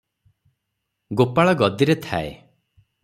ଗୋପାଳ ଗଦିରେ ଥାଏ ।